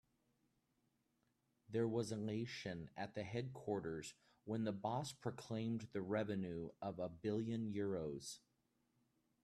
There was elation at the headquarters when the boss proclaimed the revenue of a billion euros.